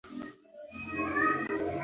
په ښوونځیو کې باید درس ورکړل شي.